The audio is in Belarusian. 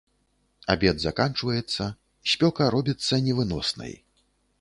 Абед заканчваецца, спёка робіцца невыноснай.